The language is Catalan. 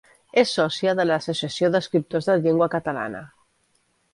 És sòcia de l'Associació d'Escriptors en Llengua Catalana.